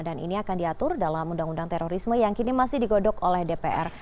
dan ini akan diatur dalam undang undang terorisme yang kini masih digodok oleh dpr